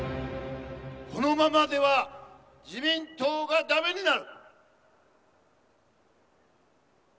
このままでは自民党がだめになる。